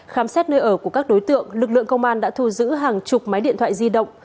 khám xét nơi ở của các đối tượng lực lượng công an đã thu giữ hàng chục máy điện thoại di động